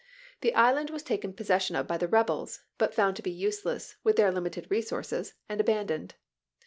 The island was taken possession of by the rebels, but found to be useless, with their limited resources, and abandoned.